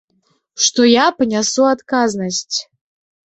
Што я панясу адказнасць.